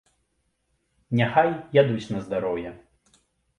Няхай ядуць на здароўе.